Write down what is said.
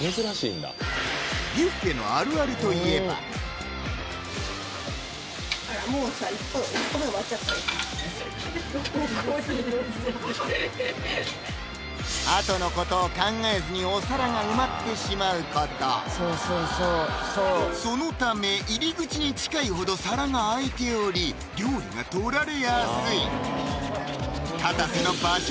ビュッフェのあるあるといえばあとのことを考えずにお皿が埋まってしまうことそのため入り口に近いほど皿が空いており料理が取られやすいかたせの場所